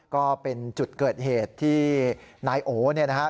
ก็เป็นจุดเกิดเหตุที่นายโอเนี่ยนะครับ